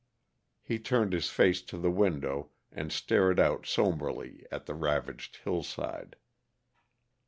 He turned his face to the window and stared out somberly at the ravaged hillside.